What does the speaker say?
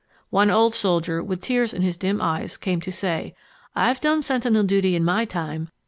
One old soldier with tears in his dim eyes came to say, "I've done sentinel duty in my time.